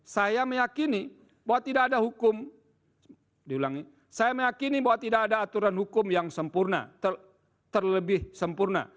saya meyakini bahwa tidak ada hukum yang sempurna terlebih sempurna